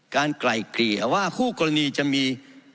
ไกล่เกลี่ยว่าคู่กรณีจะมี